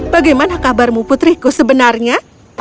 bagaimana kabarmu putriku sebenarnya